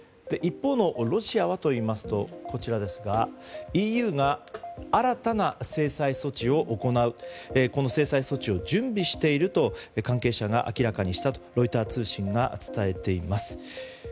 一方のロシアはといいますとＥＵが新たな制裁措置を行うこの制裁措置を準備していると関係者が明らかにしたとロイター通信が伝えています。